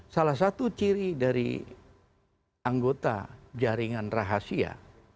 salah satu ciri dari anggota jaringan rahasia